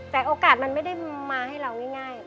แต่โอกาสมันไม่ได้มาให้เราง่าย